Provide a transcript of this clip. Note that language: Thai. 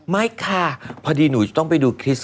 ไม่ค่ะพอดีหนูไปดูคริส